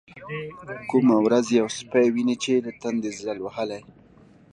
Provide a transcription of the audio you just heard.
کومه ورځ يو سپى ويني چې له تندې ځل وهلى.